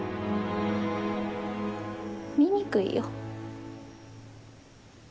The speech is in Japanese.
醜いよ。